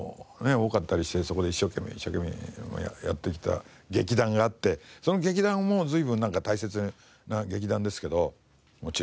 多かったりしてそこで一生懸命一生懸命やってきた劇団があってその劇団も随分大切な劇団ですけどもちろん。